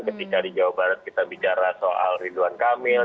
ketika di jawa barat kita bicara soal ridwan kamil